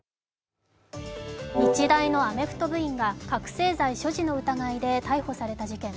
日大のアメフト部員が覚醒剤所持の疑いで逮捕された事件。